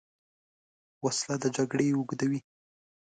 وسله د جګړې اوږدوې